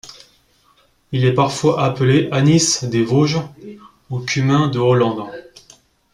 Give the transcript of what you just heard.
Il est parfois appelé anis des Vosges ou cumin de Hollande.